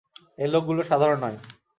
এই লোকগুলো সাধারণ নয়।